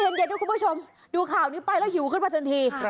เย็นด้วยคุณผู้ชมดูข่าวนี้ไปแล้วหิวขึ้นมาทันที